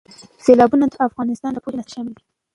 سیلابونه د افغانستان د پوهنې نصاب کې شامل دي.